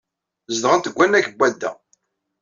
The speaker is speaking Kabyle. Zedɣent deg wannag n wadda.